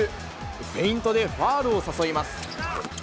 フェイントでファウルを誘います。